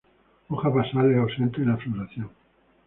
Hojas basales ausentes en la floración.